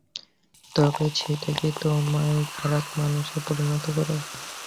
তবে সেটা কি তোমায় খারাপ মানুষে পরিণত করে?